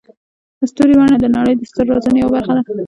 د ستوري بڼه د نړۍ د ستر رازونو یوه برخه ده.